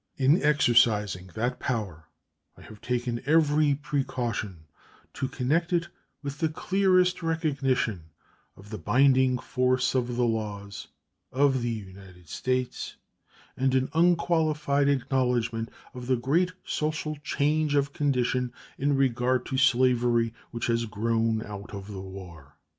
In exercising that power I have taken every precaution to connect it with the clearest recognition of the binding force of the laws of the United States and an unqualified acknowledgment of the great social change of condition in regard to slavery which has grown out of the war.